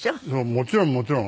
もちろんもちろん。